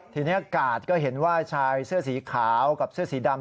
ทีนี้กาดก็เห็นว่าชายเสื้อสีขาวกับเสื้อสีดำ